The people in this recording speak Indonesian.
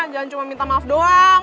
jangan cuma minta maaf doang